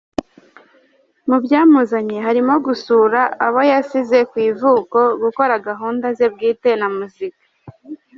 Mu byamuzanye harimo gusura abo yasize ku ivuko, gukora gahunda ze bwite na muzika.